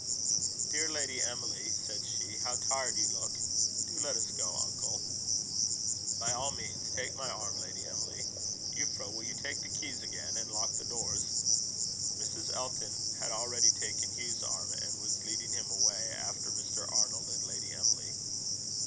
"Dear Lady Emily," said she, "how tired you look! Do let us go, uncle." "By all means. Take my arm, Lady Emily. Euphra, will you take the keys again, and lock the doors?" Mrs. Elton had already taken Hugh's arm, and was leading him away after Mr. Arnold and Lady Emily.